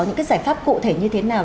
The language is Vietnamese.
những cái giải pháp cụ thể như thế nào